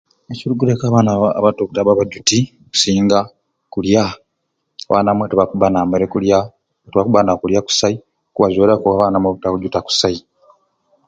Ekirigiraku abaana aba abato obutabba bajuti abaana abakusinga kulya abaana abamwe tibabba naammere kulya tibakubba nakulya kusai kubazwiraku abaana abamwe obutajuta kusai.